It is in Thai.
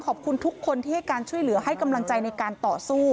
ขอบคุณทุกคนที่ให้การช่วยเหลือให้กำลังใจในการต่อสู้